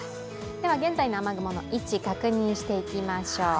現在の雨雲の位置、確認していきましょう。